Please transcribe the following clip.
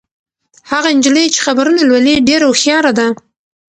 هغه نجلۍ چې خبرونه لولي ډېره هوښیاره ده.